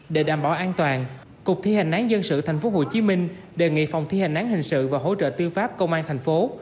để đảm bảo an toàn cục thí hành án dân sự tp hcm đề nghị phòng thí hành án hình sự và hỗ trợ tư pháp công an thành phố